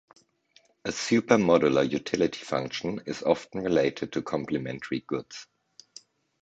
A supermodular utility function is often related to complementary goods.